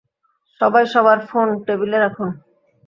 সবাই সবার ফোন টেবিলে রাখুন।